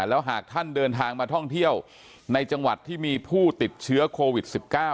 แล้วหากท่านเดินทางมาท่องเที่ยวในจังหวัดที่มีผู้ติดเชื้อโควิด๑๙